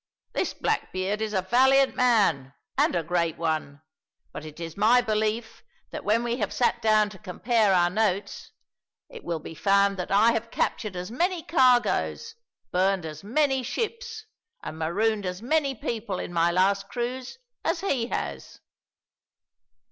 This Blackbeard is a valiant man and a great one, but it is my belief that when we have sat down to compare our notes, it will be found that I have captured as many cargoes, burned as many ships, and marooned as many people in my last cruise as he has."